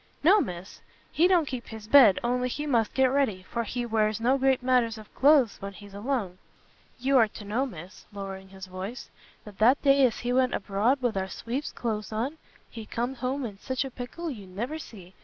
"No, Miss, he don't keep his bed, only he must get ready, for he wears no great matters of cloaths when he's alone. You are to know, Miss," lowering his voice, "that that day as he went abroad with our sweep's cloaths on, he comed home in sich a pickle you never see!